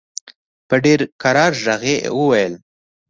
په ډېر کرار ږغ وویل.